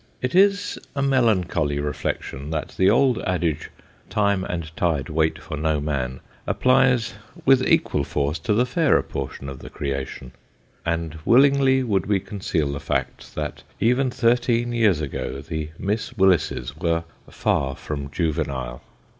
It is a melancholy reflection that the old adage, " time and tide wait for no man," applies with equal force to the fairer portion of the creation ; and willingly would we conceal the fact, that even thirteen years ago the Miss Willises were far from juvenile.